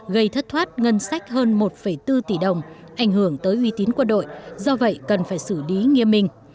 gây thất thoát ngân sách hơn một bốn tỷ đồng ảnh hưởng tới uy tín quân đội do vậy cần phải xử lý nghiêm minh